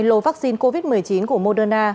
lô vaccine covid một mươi chín của moderna